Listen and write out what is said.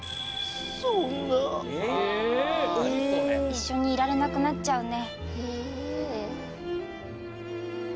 一緒にいられなくなっちゃうね。